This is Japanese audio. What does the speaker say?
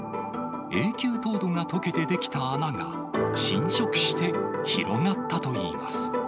永久凍土がとけて出来た穴が浸食して広がったといいます。